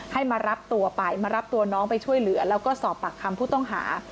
ให้มารับตัวไปมารับตัวน้องไปช่วยเหลือแล้วก็สอบปากคำผู้ต้องหา